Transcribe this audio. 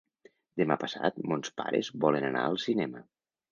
Demà passat mons pares volen anar al cinema.